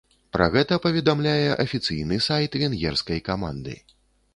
Пра гэта паведамляе афіцыйны сайт венгерскай каманды.